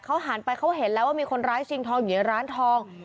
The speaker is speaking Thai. เขาหันไปเขาเห็นแล้วว่ามีคนร้ายชิงทองอยู่ในร้านทอง